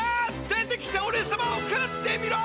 出てきておれさまを食ってみろ！